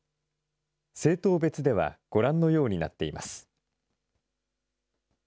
政党別ではご覧のようになっています。